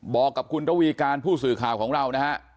บอกกับคุณระวีการผู้สื่อข่าวของเรานะฮะ